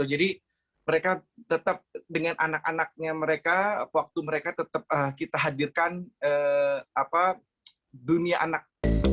jadi mereka tetap dengan anak anaknya mereka waktu mereka tetap kita hadirkan dunia anak